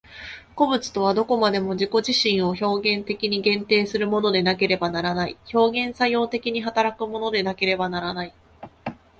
個物とはどこまでも自己自身を表現的に限定するものでなければならない、表現作用的に働くものでなければならない。